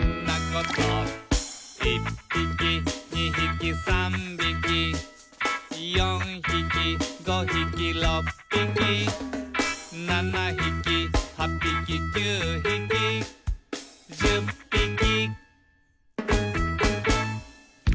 「１ぴき２ひき３びき」「４ひき５ひき６ぴき」「７ひき８ぴき９ひき」「１０ぴき」